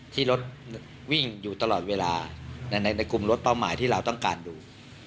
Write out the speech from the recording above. ที่รถวิ่งอยู่ตลอดเวลาในกลุ่มรถเป้าหมายที่เราต้องการดู